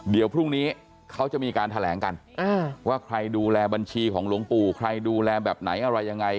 เดี๋ยวพรุ่งนี้เขาจะมีการแถลงกันว่าใครดูแลบัญชีของหลวงปู่ใครดูแลแบบไหนอะไรยังไง